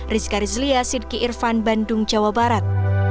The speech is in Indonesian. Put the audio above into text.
dikaris lia sidki irfan bandung jawa barat